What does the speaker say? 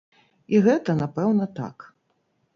І гэта, напэўна, так.